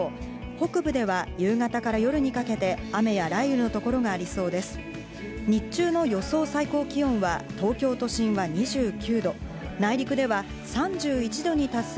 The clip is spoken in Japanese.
北部では夕方から夜にかけて雨や雷雨の所がありそうです。